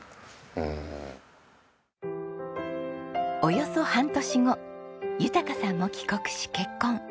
うーん。およそ半年後豊さんも帰国し結婚。